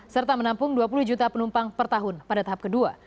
serta menampung dua puluh juta penumpang per tahun pada tahap kedua